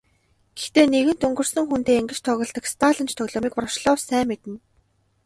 Гэхдээ нэгэнт өнгөрсөн хүнтэй ингэж тоглодог сталинч тоглоомыг Ворошилов сайн мэднэ.